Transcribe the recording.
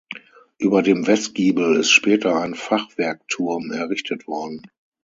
Über dem Westgiebel ist später ein Fachwerkturm errichtet worden.